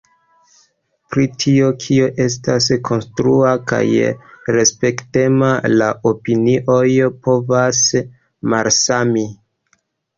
Pri tio kio estas konstrua kaj respektema la opinioj povas malsami.